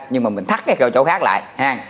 nhưng mà mình thắt cái chỗ khác lại